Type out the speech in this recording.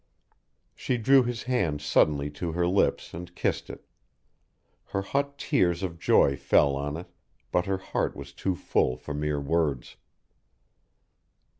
She drew his hand suddenly to her lips and kissed it; her hot tears of joy fell on it, but her heart was too full for mere words.